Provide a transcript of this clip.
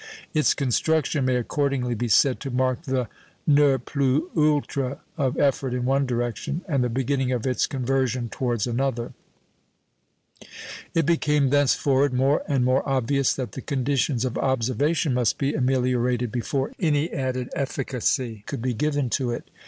Its construction may accordingly be said to mark the ne plus ultra of effort in one direction, and the beginning of its conversion towards another. It became thenceforward more and more obvious that the conditions of observation must be ameliorated before any added efficacy could be given to it.